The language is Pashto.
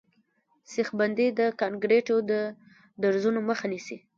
سیخ بندي د کانکریټو د درزونو مخه نیسي